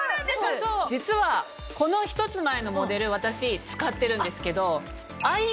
実はこの１つ前のモデル私使ってるんですけど。